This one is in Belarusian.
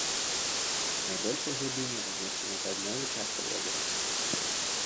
Найбольшыя глыбіні размешчаны ў паўднёвай частцы возера.